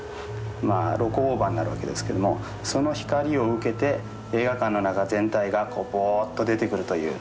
まあ露光オーバーになるわけですけどもその光を受けて映画館の中全体がぼうっと出てくるという。